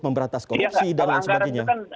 memberatas koreksi dan lain sebagainya